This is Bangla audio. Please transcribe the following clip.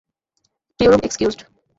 Crew room excused!